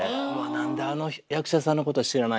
なんであの役者さんのこと知らないんだろ